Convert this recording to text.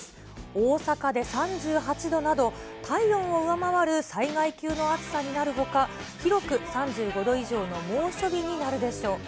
大阪で３８度など、体温を上回る災害級の暑さになるほか、広く３５度以上の猛暑日になるでしょう。